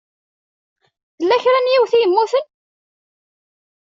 Tella kra n yiwet i yemmuten?